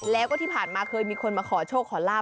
แล้วก็ที่ผ่านมาเคยมีคนมาขอโชคขอลาบ